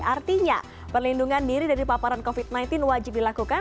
artinya perlindungan diri dari paparan covid sembilan belas wajib dilakukan